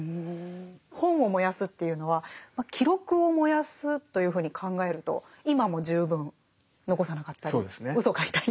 本を燃やすっていうのは記録を燃やすというふうに考えると今も十分残さなかったりうそ書いたり。